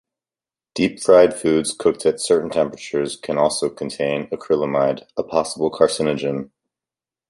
Deep-fried foods cooked at certain temperatures can also contain acrylamide, a possible carcinogen.